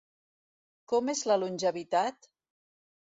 Com és la longevitat?